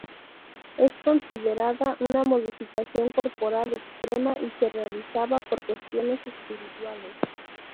Es considerada una modificación corporal extrema y se realizaba por cuestiones espirituales.